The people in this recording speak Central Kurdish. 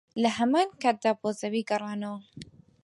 لەهەمانکاتدا بۆ زەوی گەڕانەوە